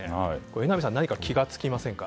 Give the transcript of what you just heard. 榎並さん、何か気が付きませんか。